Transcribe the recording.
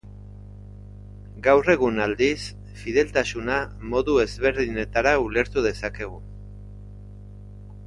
Gaur egun aldiz, fideltasuna, modu ezberdinetara ulertu dezakegu.